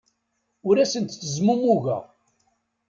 Ur asent-ttezmumugeɣ.